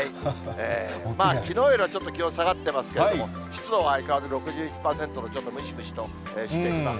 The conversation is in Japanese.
きのうよりはちょっと気温下がってますけれども、湿度は相変わらず６１％のちょっとムシムシとしています。